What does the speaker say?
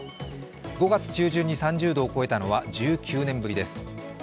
５月中旬に３０度を超えたのは１９年ぶりです。